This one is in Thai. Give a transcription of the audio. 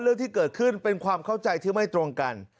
เรื่องที่เกิดขึ้นเป็นความเข้าใจที่ไม่ตรงกัน